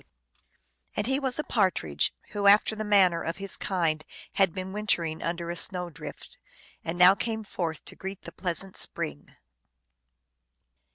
1 And he was a Partridge, who after the man ner of his kind had been wintering under a snow drift, and now came forth to greet the pleasant spring.